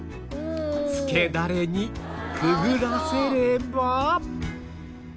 つけダレにくぐらせれば